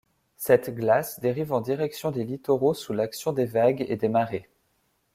Cette glace dérive en direction des littoraux sous l’action des vagues et des marées.